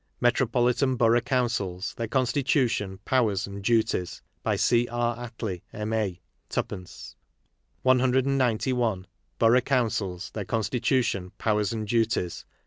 Metropolitan Borough Councils: Their Constitution, Powers and Duties. By C. R. Attlee, M.A; zd. . 191. Borough Councils : Their Constitution, : Powers and Duties.